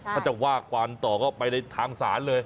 ถ้าจะว่าความต่อก็ไปในทางศาลเลย